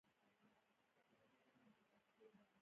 ولاړه او لږ شېبه وروسته راستنه شوه، په سلمان پسې مې سړی ولېږه.